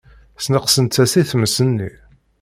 Sneqsent-as i tmes-nni.